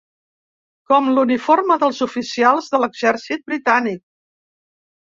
Com l'uniforme dels oficials de l'exèrcit britànic